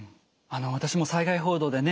私も災害報道でね